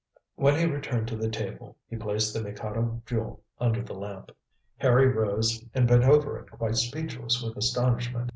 When he returned to the table he placed the Mikado Jewel under the lamp. Harry rose and bent over it quite speechless with astonishment.